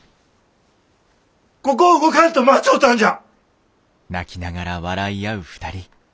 ここを動かんと待ちょったんじゃ。